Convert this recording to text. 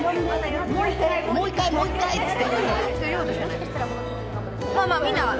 「もう一回もう一回」つって。